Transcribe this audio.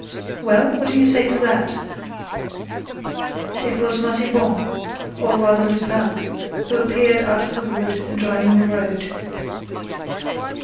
"Well, what do you say to that?" It was Massiban, or rather Lupin, who appeared out of the wood adjoining the road.